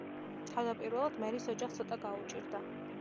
თავდაპირველად მერის ოჯახს ცოტა გაუჭირდა.